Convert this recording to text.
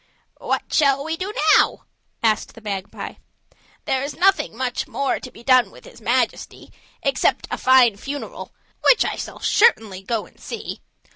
"What shall we do now?" said the magpie. "There's nothing much more to be done with his majesty, except a fine funeral, which I shall certainly go and see.